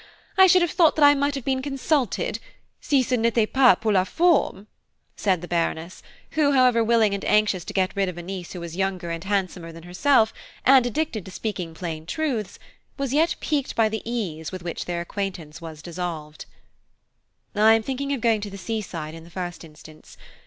I should have thought I might have been consulted, si ce n'était que pour la forme," said the Baroness, who, however willing and anxious to get rid of a niece who was younger and handsomer than herself, and addicted to speaking plain truths, was yet piqued by the ease with which their acquaintance was dissolved. "I am thinking of going to the sea side in the first instance.